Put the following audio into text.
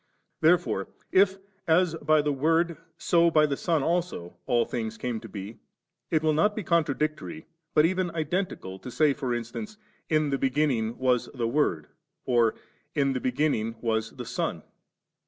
Therefore if as by the Word, so by the Son also all things came to be, it wili not be contradictory, but even identical to say, for instance, * In the beginning was the Word,' or, * In the beginning was the Son.'